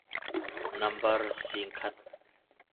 Nambar singkhat.